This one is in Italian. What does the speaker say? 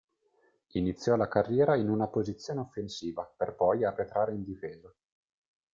Iniziò la carriera in una posizione offensiva, per poi arretrare in difesa.